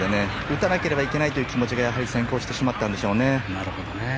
打たなければいけないという気持ちが先行してしまったんでしょうね。